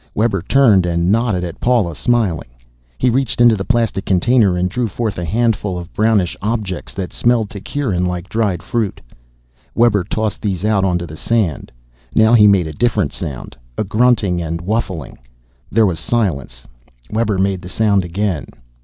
Webber turned and nodded at Paula, smiling. He reached into the plastic container and drew forth a handful of brownish objects that smelled to Kieran like dried fruit. Webber tossed these out onto the sand. Now he made a different sound, a grunting and whuffling. There was a silence. Webber made the sound again.